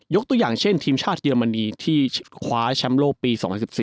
ตัวอย่างเช่นทีมชาติเยอรมนีที่คว้าแชมป์โลกปี๒๐๑๔